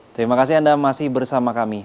terima kasih anda masih bersama kami